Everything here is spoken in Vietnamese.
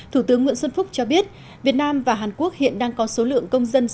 thủ tướng nguyễn xuân phúc cho biết việt nam và hàn quốc hiện đang có số lượng công dân